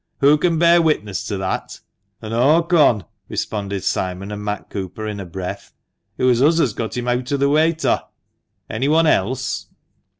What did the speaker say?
" Who can bear witness to that ?" "Aw con" — "An" aw con," responded Simon and Matt Cooper in a breath. "It wur uz as got him eawt o' th' wayter." "Anyone else?"